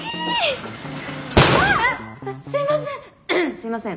すいません。